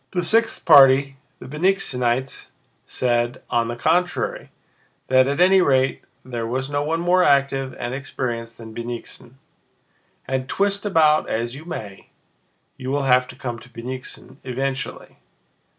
The sixth party, the Bennigsenites, said, on the contrary, that at any rate there was no one more active and experienced than Bennigsen: "and twist about as you may, you will have to come to Bennigsen eventually.